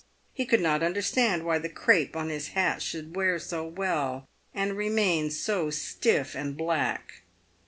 He could not understand why the crape on his hat should wear so well and remain so stiff" and black.